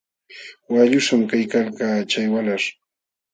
Waqlluśhqam kaykalkaa chay walah.